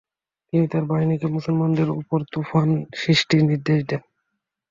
তিনি তার বাহিনীকে মুসলমানদের উপর তুফান সৃষ্টির নির্দেশ দেন।